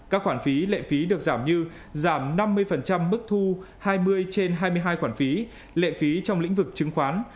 các khoản phí lệ phí được giảm như giảm năm mươi mức thu hai mươi trên hai mươi hai khoản phí lệ phí trong lĩnh vực chứng khoán